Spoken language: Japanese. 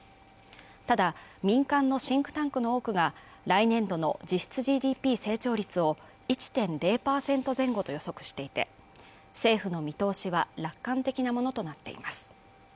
ただ民間のシンクタンクの多くが来年度の実質ＧＤＰ成長率を１．０％前後と予測していて政府の見通しは楽観的なものとなっています